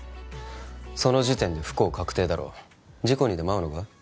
その時点で不幸確定だろ事故にでも遭うのか？